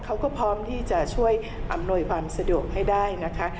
เขาก็พร้อมที่จะช่วยอำนวยความสะดวกให้ได้นะคะ